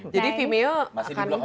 jadi vimeo akan